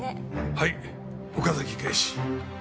はい岡崎警視。